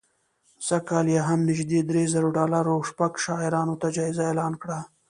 سږ کال یې هم نژدې درې زره ډالره شپږو شاعرانو ته جایزه اعلان کړه